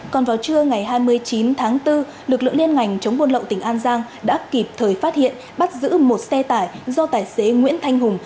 còn vào trưa ngày hai mươi chín tháng bốn lực lượng liên ngành chống buôn lậu tỉnh an giang đã kịp thời phát hiện bắt giữ một xe tải do tài xế nguyễn thanh hùng